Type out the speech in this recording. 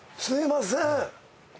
すいません。